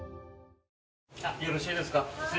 よろしいですか。